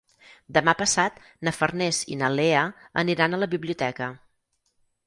Demà passat na Farners i na Lea aniran a la biblioteca.